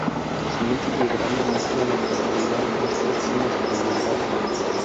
El siguiente diagrama muestra a las localidades más próximas a Dumbarton.